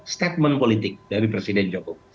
statement politik dari presiden jokowi